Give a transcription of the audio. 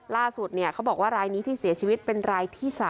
เขาบอกว่ารายนี้ที่เสียชีวิตเป็นรายที่๓